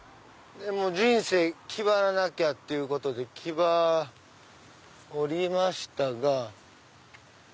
人生キバらなきゃっていうことで木場降りましたが。